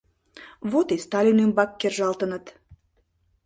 Вот и Сталин ӱмбак кержалтыныт.